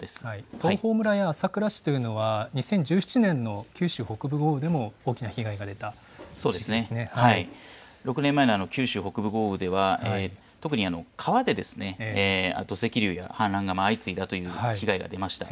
東峰村や朝倉市というのは、２０１７年の九州北部豪雨でも大６年前の九州北部豪雨では、特に川で土石流が氾濫が相次いだという被害が出ました。